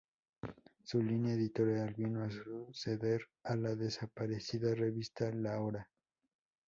Su línea editorial vino a suceder a la desaparecida revista "La Hora".